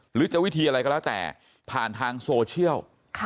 หรือจะวิธีอะไรก็แล้วแต่ผ่านทางโซเชียล